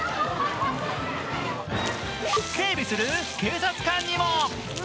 警備する警察官にも。